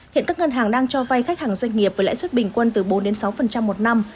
hiện các ngân hàng đang cho vay khách hàng doanh nghiệp với lãi suất bình quân từ bốn sáu một năm